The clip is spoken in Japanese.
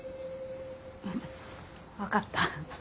分かった。